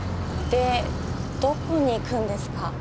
でどこに行くんですか？